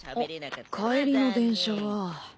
帰りの電車は。